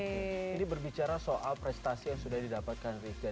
ini berbicara soal prestasi yang sudah didapatkan rizka